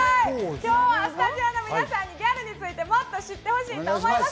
今日はスタジオの皆さんにギャルについてもっとしてほしいと思います！